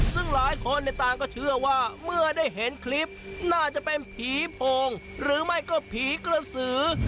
ซึ่งหลายคนต่างก็เชื่อว่าเมื่อได้เห็นคลิปน่าจะเป็นผีโพงหรือไม่ก็ผีกระสือ